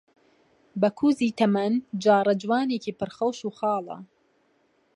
بەکووزی تەمەن جاڕەجوانێکی پڕ خەوش و خاڵە،